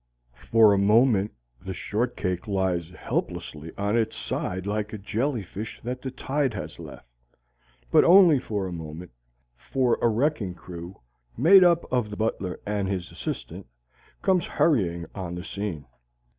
For a moment the shortcake lies helplessly on its side like a jellyfish that the tide has left. But only for a moment; for a wrecking crew, made up of the butler and his assistant, comes hurrying on the scene.